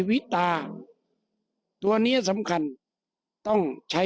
ก็เป็นเรื่องของความศรัทธาเป็นการสร้างขวัญและกำลังใจ